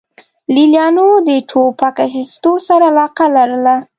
لې لیانو د ټوپک اخیستو سره علاقه لرله